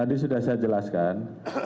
tadi sudah saya jelaskan